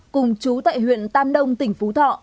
cùng chú tại huyện tam đông tỉnh phú thọ